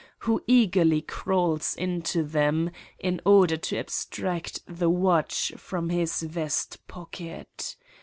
. who eagerly crawls into them in order to abstract the watch from his vest pocket